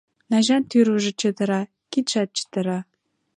— Найжан тӱрвыжӧ чытыра, кидшат чытыра.